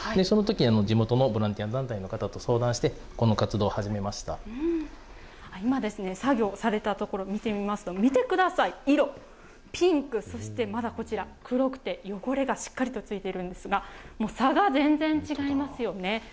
そのときに地元のボランティア団体の方と相談して、この活動を始今、作業されたところ見てみますと、見てください、色、ピンク、そしてまだこちら黒くて、汚れがしっかりとついているんですが、もう差が全然違いますよね。